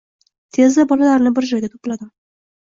Tezda bolalarni bir joyga to‘pladim.